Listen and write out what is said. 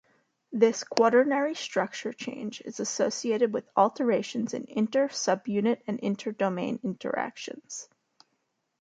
This quaternary structure change is associated with alterations in inter-subunit and inter-domain interactions.